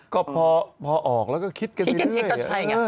ก็พอออกแล้วก็คิดกันไปเรื่อย